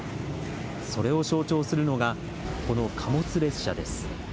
それを象徴するのが、この貨物列車です。